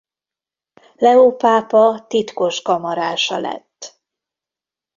Leó pápa titkos kamarása lett.